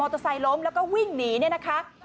เตอร์ไซคล้มแล้วก็วิ่งหนีเนี่ยนะคะ